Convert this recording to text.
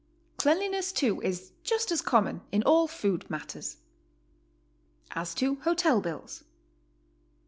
Cleanliness, too, is just as common in all food matters. AS TO HOTEL BILLS.